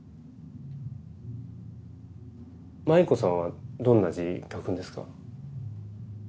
マイコさんはどんな字書くんですか？